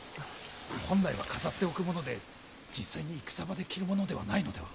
本来は飾っておくもので実際に戦場で着るものではないのでは。